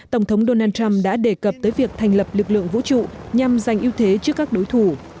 tổng thống donald trump đã đề cập tới việc thành lập lực lượng vũ trụ nhằm giành ưu thế trước các đối thủ